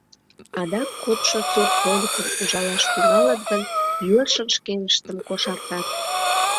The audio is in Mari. Адак кодшо сурт вольыкым ужалаш тӱҥалыт гын, йӧршын шкеныштым кошартат.